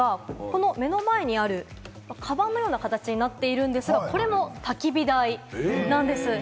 目の前にあるカバンのような形になってるんですが、これも、たき火台なんです。